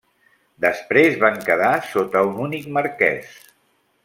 Després van quedar sota un únic marquès.